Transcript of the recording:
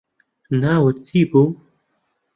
ناوت چی بوو